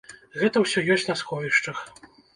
Гэта ўсё ёсць на сховішчах.